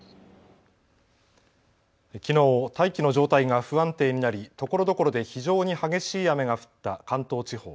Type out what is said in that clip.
きのう大気の状態が不安定になりところどころで非常に激しい雨が降った関東地方。